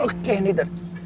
oke ini dari